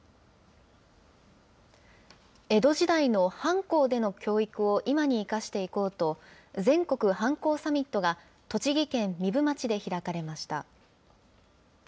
江戸時代の藩校での教育を今に生かしていこうと、全国藩校サミットが、栃木県壬生町で開かれました。